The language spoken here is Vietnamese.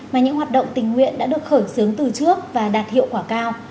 mà những hoạt động tình nguyện đã được khởi xướng từ trước và đạt hiệu quả cao